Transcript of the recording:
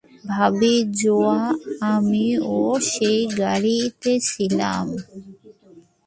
ভাবি, জোয়া, আমিও সেই গাড়িতে ছিলাম।